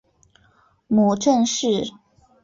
母郑氏。